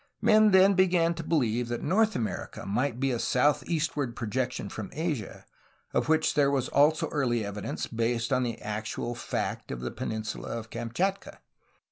Men then be gan to believe that North America might be a southeast ward projection from Asia, of which there was also early evidence, based on the actual fact of the peninsula of Kam chatka.